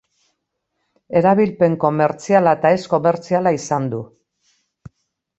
Erabilpen komertziala eta ez komertziala izan du.